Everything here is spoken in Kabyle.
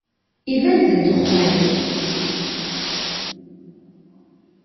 Iban-d ddexxan.